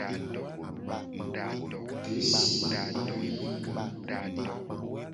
Desi pupui.